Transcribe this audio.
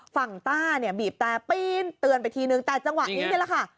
ฝั่งต้าเนี่ยบีบแต่ปีนตื่นไปทีนึงแต่จังหวะนี้เลยค่ะ